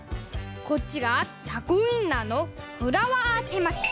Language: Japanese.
こっちがタコウインナーのフラワーてまき。